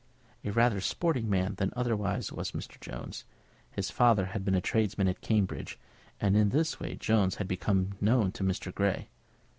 A rather sporting man than otherwise was Mr. Jones. His father had been a tradesman at Cambridge, and in this way Jones had become known to Mr. Grey.